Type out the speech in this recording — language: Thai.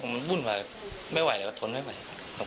มันวุ่นไปไม่ไหวแล้วก็ทนไม่ไหว